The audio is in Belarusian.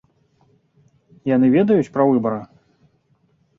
Яны ведаюць пра выбары?